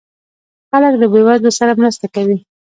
خلک له بې وزلو سره مرسته کوي.